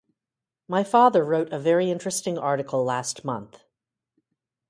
My father wrote a very interesting article last month.